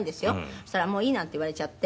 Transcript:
そしたら「もういい」なんて言われちゃって。